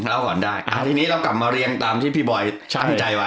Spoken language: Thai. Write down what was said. อ่าทีนี้เรากลับมาเรียงตามที่พี่บอยคิดใจไว้